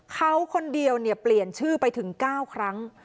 เขาคนเดียวเนี่ยเปลี่ยนชื่อไปถึง๙ครั้ง